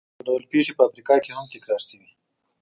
دا ډول پېښې په افریقا کې هم تکرار شوې.